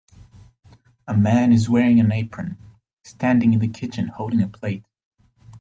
A man is wearing an apron, standing in the kitchen holding a plate.